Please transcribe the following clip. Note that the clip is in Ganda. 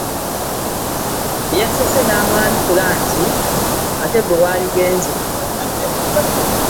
Yasese n'amwanukula nti, “Ate ggwe wandigenze".